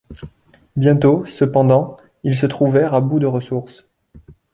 Bientôt, cependant, ils se trouvèrent à bout de ressources.